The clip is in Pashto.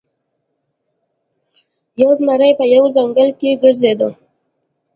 یو زمری په یوه ځنګل کې ګرځیده.